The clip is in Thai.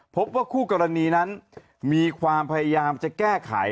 พบว่าคู่กรณีนั้นมีความพยายามจะแก้ไข